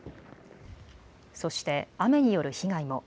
そして、雨による被害も。